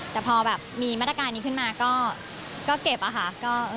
แต่พอแบบมีมาตรการนี้ขึ้นมาก็เก็บอะค่ะ